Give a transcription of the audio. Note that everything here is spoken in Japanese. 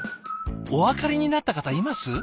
お分かりになった方います？